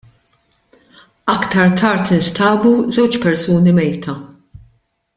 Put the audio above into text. Aktar tard instabu żewġ persuni mejta.